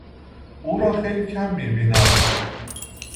او را خیلی کم میبینم.